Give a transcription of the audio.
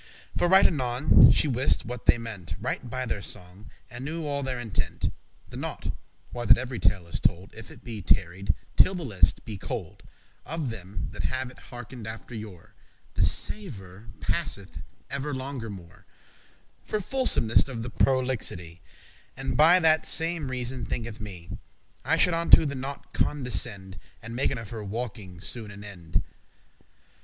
For right anon she wiste* what they meant *knew Right by their song, and knew all their intent. The knotte,* why that every tale is told, *nucleus, chief matter If it be tarried* till the list* be cold *delayed inclination Of them that have it hearken'd *after yore,* *for a long time* The savour passeth ever longer more; For fulsomness of the prolixity: And by that same reason thinketh me. I shoulde unto the knotte condescend, And maken of her walking soon an end.